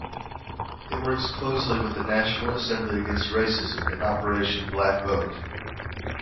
It works closely with the National Assembly Against Racism and Operation Black Vote.